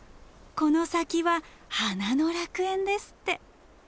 この先は花の楽園ですって！